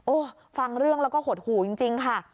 ฟังเรื่องแล้วก็หดหู่จริงค่ะ